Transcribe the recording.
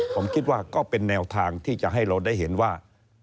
ผมคิดว่าก็เป็นแนวทางที่จะให้เราได้เห็นว่า